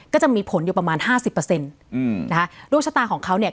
ก็จะมีผลอยู่ประมาณห้าสิบเปอร์เซ็นต์อืมนะคะดวงชะตาของเขาเนี่ย